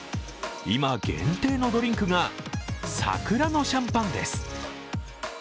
今限定のドリンクが桜のシャンパンです。